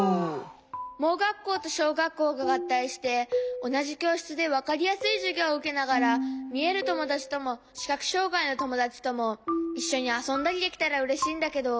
盲学校としょうがっこうががったいしておなじきょうしつでわかりやすいじゅぎょうをうけながらみえるともだちともしかくしょうがいのともだちともいっしょにあそんだりできたらうれしいんだけど。